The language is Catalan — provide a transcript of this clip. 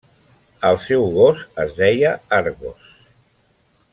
El seu gos es deia Argos.